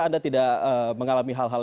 anda tidak mengalami hal hal